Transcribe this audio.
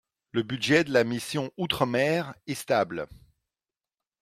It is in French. Le budget de la mission Outre-mer est stable.